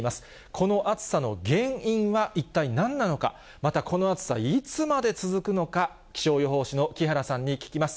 この暑さの原因は一体なんなのか、またこの暑さ、いつまで続くのか、気象予報士の木原さんに聞きます。